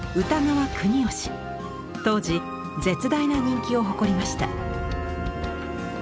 当時絶大な人気を誇りました。